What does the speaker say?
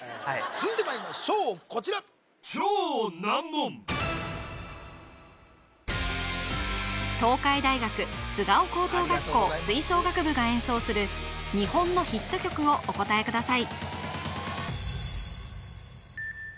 続いてまいりましょうこちら東海大学菅生高等学校吹奏楽部が結構特徴的な次の３つの中からお答えください